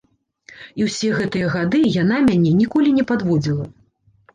І ўсе гэтыя гады яна мяне ніколі не падводзіла.